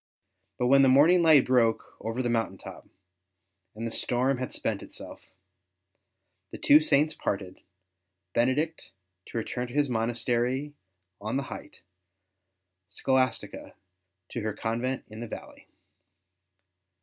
But when the morning light broke over the io6 ST. BENEDICT mountain top, and the storm had spent itself, the two Saints parted, Benedict to return to his monastery on the height, Scholastica to her convent in the valley.